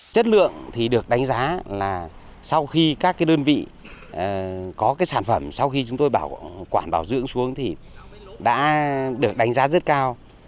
chất lượng thì được đánh giá là sau khi các đơn vị có sản phẩm sau khi chúng tôi quản bảo dưỡng xuống thì đã được đánh giá rất cao